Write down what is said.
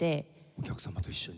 お客様と一緒に？